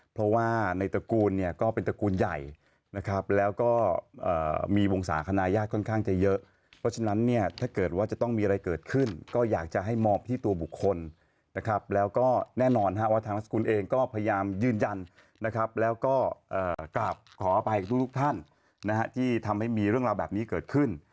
เพราะว่าในตระกูลเนี่ยก็เป็นตระกูลใหญ่นะครับแล้วก็มีวงศาคณะญาติค่อนข้างจะเยอะเพราะฉะนั้นเนี่ยถ้าเกิดว่าจะต้องมีอะไรเกิดขึ้นก็อยากจะให้มองที่ตัวบุคคลนะครับแล้วก็แน่นอนว่าทางนามสกุลเองก็พยายามยืนยันนะครับแล้วก็กลับขออภัยทุกท่านนะฮะที่ทำให้มีเรื่องราวแบบนี้เกิดขึ้น